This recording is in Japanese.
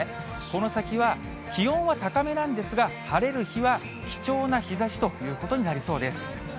この先は気温は高めなんですが、晴れる日は貴重な日ざしということになりそうです。